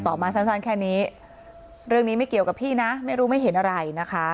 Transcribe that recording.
มาสั้นแค่นี้เรื่องนี้ไม่เกี่ยวกับพี่นะไม่รู้ไม่เห็นอะไรนะคะ